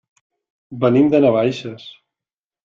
Venim de Navaixes.